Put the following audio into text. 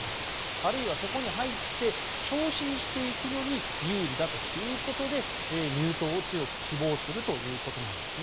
あるいは、そこに入って昇進していくのに有利だということで入党を強く希望するということなんです。